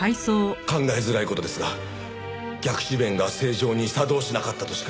考えづらい事ですが逆止弁が正常に作動しなかったとしか。